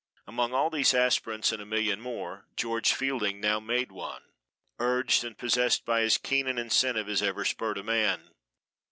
Among all these aspirants and a million more George Fielding now made one, urged and possessed by as keen an incentive as ever spurred a man.